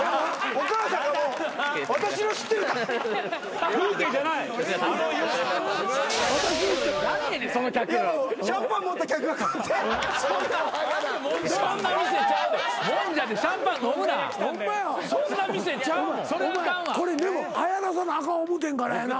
お前これでもはやらさなあかん思うてんからやな。